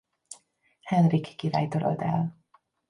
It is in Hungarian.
Henrik király törölt el.